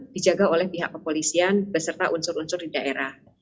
dijaga oleh pihak kepolisian beserta unsur unsur di daerah